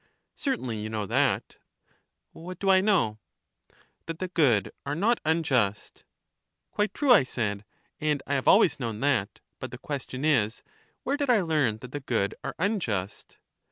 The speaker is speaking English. Certainly, you know that. What do I know? That the good are not unjust. Quite true, I said; and I have always known that; but the question is, where did I learn that the good are unjust?